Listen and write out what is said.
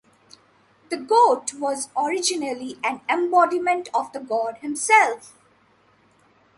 The goat was originally an embodiment of the god himself.